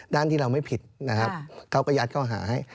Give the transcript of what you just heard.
ด้านที่เราไม่ผิดนะครับเขากระยัดเขาหาย